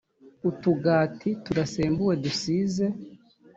utugati tudasembuwe dusize